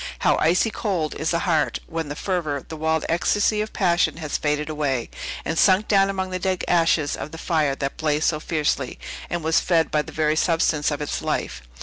How icy cold is the heart, when the fervor, the wild ecstasy of passion has faded away, and sunk down among the dead ashes of the fire that blazed so fiercely, and was fed by the very substance of its life!